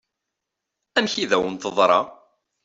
Amek i d-awen-teḍṛa?